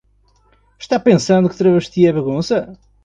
Está pensando que travesti é bagunça?